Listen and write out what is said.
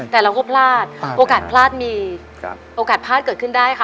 แต่เราก็พลาดโอกาสพลาดมีโอกาสพลาดเกิดขึ้นได้ค่ะ